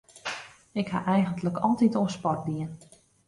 Ik ha eigentlik altyd oan sport dien.